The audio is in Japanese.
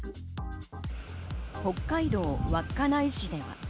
北海道稚内市では。